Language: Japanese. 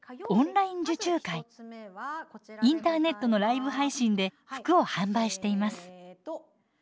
インターネットのライブ配信で服を販売しています。